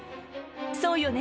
そうよね？